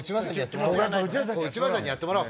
内村さんにやってもらおう！